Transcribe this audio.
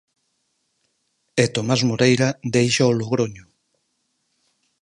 E Tomás Moreira deixa o Logroño.